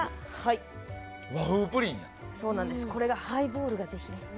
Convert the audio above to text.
これはハイボールで、ぜひ。